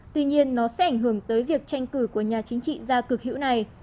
tuy nhiên nó sẽ ảnh hưởng tới việc tranh cử của nhà chính trị gia cực hữu này